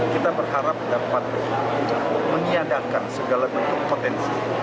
kita berharap dapat meniadakan segala bentuk potensi